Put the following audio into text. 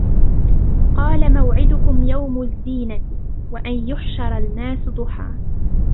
قَالَ مَوْعِدُكُمْ يَوْمُ الزِّينَةِ وَأَنْ يُحْشَرَ النَّاسُ ضُحًى